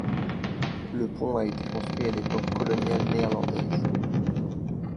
Le pont a été construit à l'époque coloniale néerlandaise.